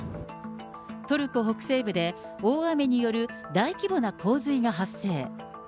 トルコ北西部で大雨による大規模な洪水が発生。